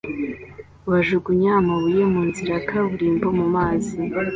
bajugunya amabuye mu nzira ya kaburimbo mu mazi